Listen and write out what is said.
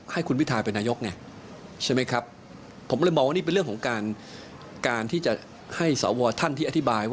เหมือนวัดใจนะ